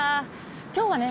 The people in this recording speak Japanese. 今日はね